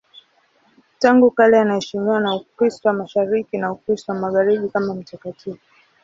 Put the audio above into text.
Tangu kale anaheshimiwa na Ukristo wa Mashariki na Ukristo wa Magharibi kama mtakatifu.